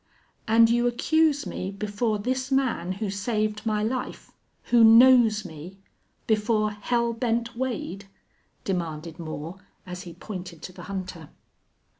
"And you accuse me before this man who saved my life, who knows me before Hell Bent Wade?" demanded Moore, as he pointed to the hunter.